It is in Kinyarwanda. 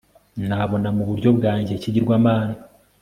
Nabona muburyo bwanjye ikigirwamana